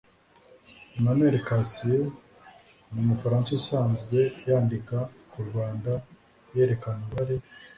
emmanuel cattier ni umufaransa usanzwe yandika ku rwanda yerekana uruhare